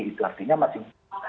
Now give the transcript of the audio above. itu artinya masih